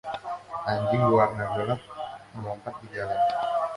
Anjing berwarna gelap melompat di jalan.